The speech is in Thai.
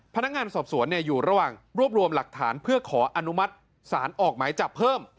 พนักงานสอบสวนอยู่ระหว่างรวบรวมหลักฐานเพื่อขออนุมัติศาลออกหมายจับเพิ่ม